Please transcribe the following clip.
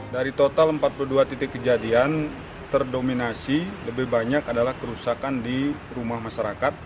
dari total empat puluh dua titik kejadian terdominasi lebih banyak adalah kerusakan di rumah masyarakat